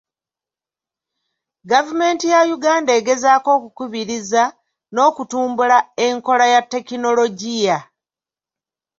Gavumenti ya Uganda egezaako okukubiriza n'okutumbula enkola ya tekinologiya.